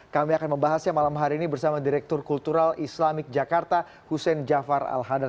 kami akan membahasnya malam hari ini bersama direktur kultural islamic jakarta hussein jafar al hadar